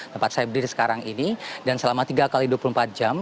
tempat saya berdiri sekarang ini dan selama tiga x dua puluh empat jam